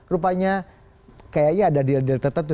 rupanya kayaknya ada diadil tertentu